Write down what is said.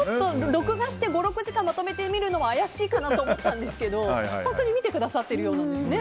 録画して５６時間見るのは怪しいかなと思ったんですけど本当に見てくださってるようなんですね。